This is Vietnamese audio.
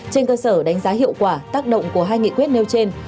trên cơ sở đánh giá hiệu quả tác động của hai nghị quyết nêu trên